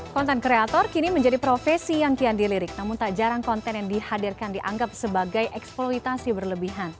konten kreator kini menjadi profesi yang kian dilirik namun tak jarang konten yang dihadirkan dianggap sebagai eksploitasi berlebihan